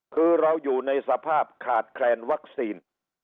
คือเราอยู่ในสภาพขาดแคลนวัคซีน